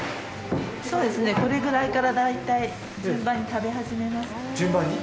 そうですね、これぐらいから大体、順番に食べ始めます。